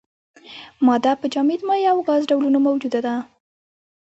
ماده په جامد، مایع او ګاز ډولونو موجوده ده.